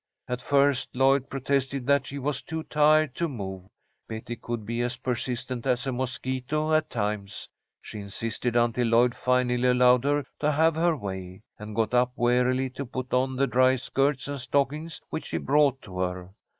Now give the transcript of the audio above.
At first Lloyd protested that she was too tired to move. Betty could be as persistent as a mosquito at times. She insisted until Lloyd finally allowed her to have her way, and got up wearily to put on the dry skirts and stockings which she brought to her.